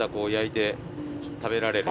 食べられる！